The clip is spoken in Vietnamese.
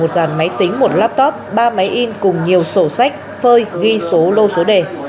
một dàn máy tính một laptop ba máy in cùng nhiều sổ sách phơi ghi số lô số đề